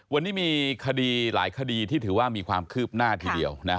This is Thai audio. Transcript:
วันนี้มีคดีหลายคดีที่ถือว่ามีความคืบหน้าทีเดียว